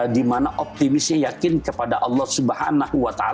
dimana optimisnya yakin kepada allah swt